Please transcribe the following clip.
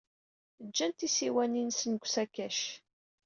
Jjan tisiwanin-nsen deg usakac.